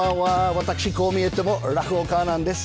私こう見えても落語家なんです。